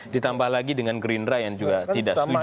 ditambah lagi dengan gerindra yang juga tidak setuju